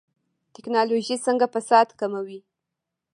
ټکنالوژي څنګه فساد کموي؟